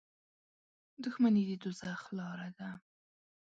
• دښمني د دوزخ لاره ده.